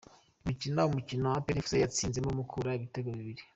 gukina umukino apr fc yatsinzemo Mukura ibitego bibiri